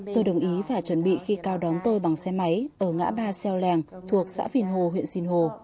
tôi đồng ý và chuẩn bị khi cao đón tôi bằng xe máy ở ngã ba xeo lèng thuộc xã phìn hồ huyện sinh hồ